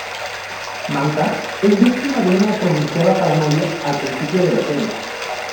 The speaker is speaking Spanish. Manta es víctima de una pronunciada paranoia al principio de la serie.